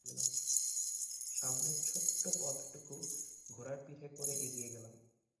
সামনের ছোট্ট পথটুকু ঘোড়ার পিঠে করে এগিয়ে গেলাম।